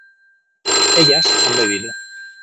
ellas han bebido